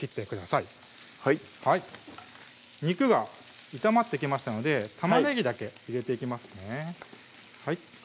はい肉が炒まってきましたので玉ねぎだけ入れていきますね